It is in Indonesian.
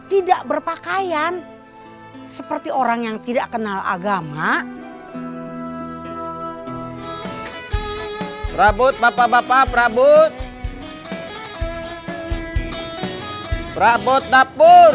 tidak berpakaian seperti orang yang tidak kenal agama rambut papa papa prabu rambut napur